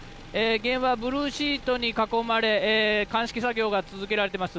現場、ブルーシートに囲まれ鑑識作業が続けられています。